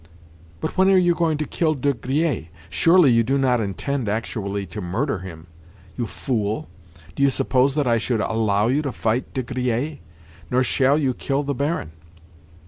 But when are you going to kill De Griers? Surely you do not intend actually to murder him? You fool! Do you suppose that I should allow you to fight De Griers? Nor shall you kill the Baron."